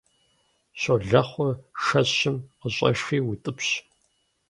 Щолэхъур шэщым къыщӀэши утӀыпщ.